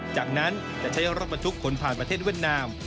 จากนั้นจะใช้รถบรรทุกขนผ่านประเทศเวียดนาม